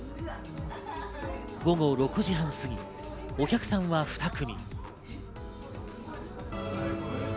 午後６時半すぎ、お客さんは２組。